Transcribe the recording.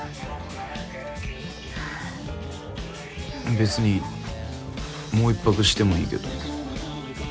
べつにもう１泊してもいいけど。